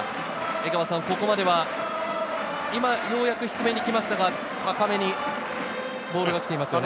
江川さん、ここまでは今、ようやく低めに来ましたが、高めにボールが来ていますね。